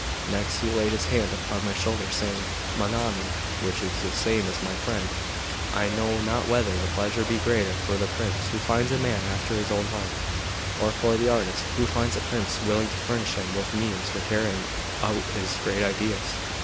Next, he laid his hand upon my shoulder, saying: '"Mon ami' (which is the same as 'my friend'), I know not whether the pleasure be greater for the prince who finds a man after his own heart, or for the artist who finds a prince willing to furnish him with means for carrying out his great ideas."